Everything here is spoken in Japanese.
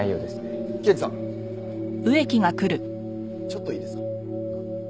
ちょっといいですか？